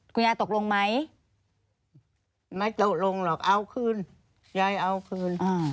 คุณยายตกลงไหมไม่ตกลงหรอกเอาขึ้นยายเอาขึ้นอ่า